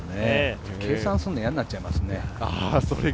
計算するの、嫌になっちゃいますね。